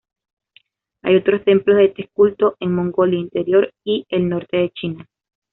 Hay otros templos de este culto en Mongolia Interior y el norte de China.